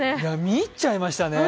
見入っちゃいましたね。